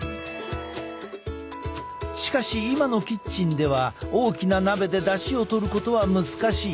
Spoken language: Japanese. しかし今のキッチンでは大きな鍋でだしを取ることは難しい。